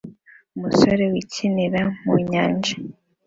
Umusore wikinira mu nyanja